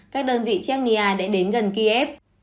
các đơn vị chechnya đã đến gần kiev